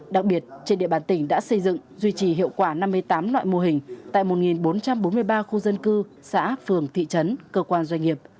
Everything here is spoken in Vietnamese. đặc biệt trên địa bàn tỉnh đã xây dựng duy trì hiệu quả năm mươi tám loại mô hình tại một bốn trăm bốn mươi ba khu dân cư xã phường thị trấn cơ quan doanh nghiệp